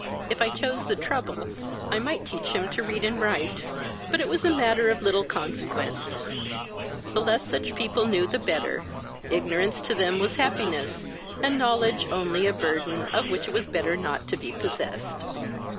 If I chose the trouble, I might teach him to read and write; but it was a matter of little consequence: the less such people knew, the better. ignorance to them was happiness, and knowledge only a burthen, of which it was better not to be possessed.